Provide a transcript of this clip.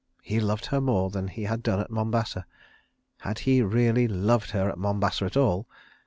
He loved her more than he had done at Mombasa. Had he really loved her at Mombasa at all?